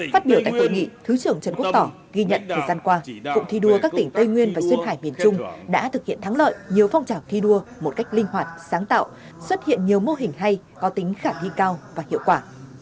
phát biểu tại hội nghị thứ trưởng trần quốc tỏ ghi nhận thời gian qua cụm thi đua các tỉnh tây nguyên và duyên hải miền trung đã thực hiện thắng lợi nhiều phong trào thi đua một cách linh hoạt sáng tạo xuất hiện nhiều mô hình hay có tính khả thi cao và hiệu quả